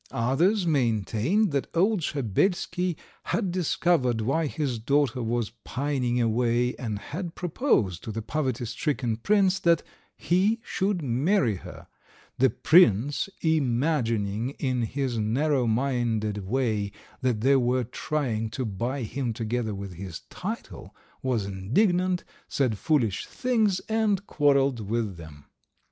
Others maintained that old Shabelsky had discovered why his daughter was pining away, and had proposed to the poverty stricken prince that he should marry her; the prince, imagining in his narrow minded way that they were trying to buy him together with his title, was indignant, said foolish things, and quarrelled with them.